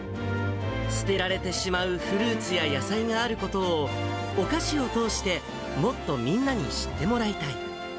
捨てられてしまうフルーツや野菜があることを、お菓子を通してもっとみんなに知ってもらいたい。